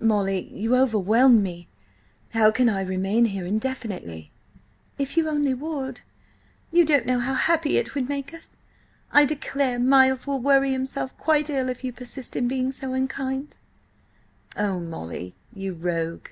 "Molly, you overwhelm me. ... How can I remain here indefinitely?" "If only you would! You don't know how happy it would make us. I declare Miles will worry himself quite ill if you persist in being so unkind." "Oh, Molly, you rogue!"